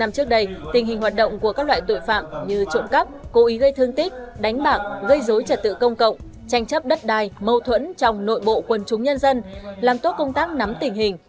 năm trước đây tình hình hoạt động của các loại tội phạm như trộm cắp cố ý gây thương tích đánh bạc gây dối trật tự công cộng tranh chấp đất đai mâu thuẫn trong nội bộ quần chúng nhân dân làm tốt công tác nắm tình hình